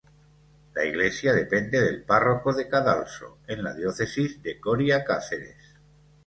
La iglesia depende del párroco de Cadalso en la Diócesis de Coria-Cáceres.